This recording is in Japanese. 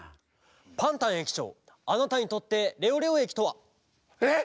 パンタンえきちょうあなたにとってレオレオえきとは！？えっ！？